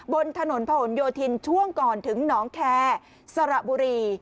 บนถนนผนโยธินช่วงก่อนถึงหนองแคร์สระบุรี